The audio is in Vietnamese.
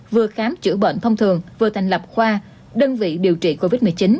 vừa khám chữa bệnh thông thường vừa thành lập khoa đơn vị điều trị covid một mươi chín